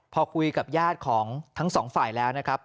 พอกุยกับย่าศของทั้งสองกระภิกษาแล้วนะครับ